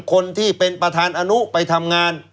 คนที่เป็นประธานอนุไปทำงาน